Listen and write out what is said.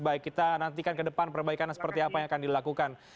baik kita nantikan ke depan perbaikan seperti apa yang akan dilakukan